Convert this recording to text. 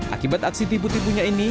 akibat aksi tipu tipunya ini